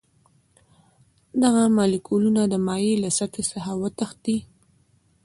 دغه مالیکولونه د مایع له سطحې څخه وتښتي.